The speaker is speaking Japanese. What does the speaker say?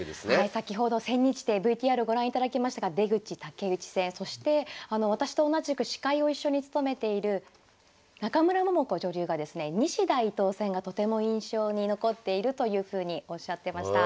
先ほど千日手ＶＴＲご覧いただきましたが出口・竹内戦そして私と同じく司会を一緒に務めている中村桃子女流がですね西田・伊藤戦がとても印象に残っているというふうにおっしゃってました。